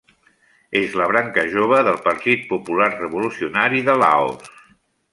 És la branca jove del Partit Popular Revolucionari de Laos.